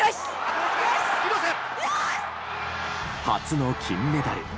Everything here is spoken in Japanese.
初の金メダル。